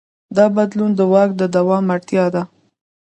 دا بدلون د واک د دوام اړتیا ده.